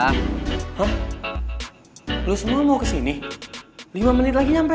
hah lo semua mau kesini lima menit lagi nyampe